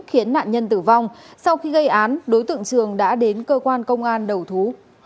khiến nạn nhân tử vong sau khi gây án đối tượng trường đã đến cơ quan công an đầu thú